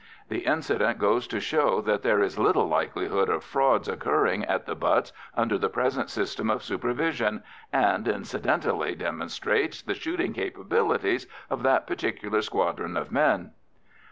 The incident goes to show that there is little likelihood of frauds occurring at the butts under the present system of supervision, and incidentally demonstrates the shooting capabilities of that particular squadron of men.